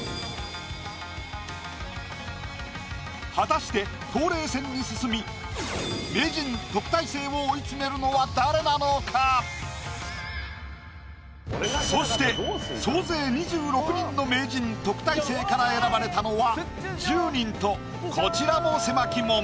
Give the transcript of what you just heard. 果たして冬麗戦に進み名人・特待生を追い詰めるのは誰なのか⁉そして総勢２６人の名人・特待生から選ばれたのは１０人とこちらも狭き門。